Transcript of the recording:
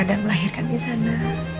dan melahirkan di sana